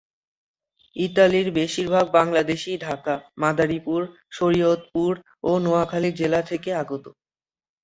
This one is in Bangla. ইতালির বেশিরভাগ বাংলাদেশী ঢাকা, মাদারীপুর, শরীয়তপুর ও নোয়াখালী জেলা থেকে আগত।